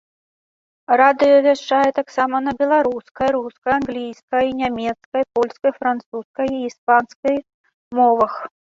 Радыё вяшчае таксама на беларускай, рускай, англійскай, нямецкай, польскай, французскай і іспанскай мовах.